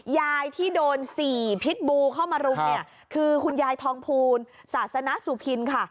ยายที่โดน๔พิษบูเข้ามารุมเนี่ยคือคุณยายทองภูลศาสนสุพินค่ะ